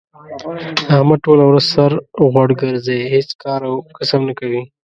احمد ټوله ورځ سر غوړ ګرځی، هېڅ کار او کسب نه کوي.